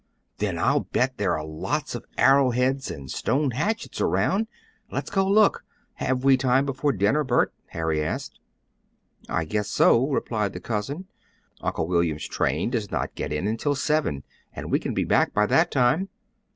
"Then I'll bet there are lots of arrow heads and stone hatchets around. Let's go look. Have we time before dinner, Bert?" Harry asked. "I guess so," replied the cousin. "Uncle William's train does not get in until seven, and we can be back by that time.